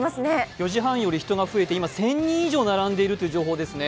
４時半より人が増えて、今、１０００人以上並んでいるという情報ですね。